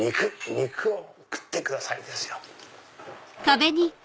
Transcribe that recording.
「『肉』を食って下さい」ですよ。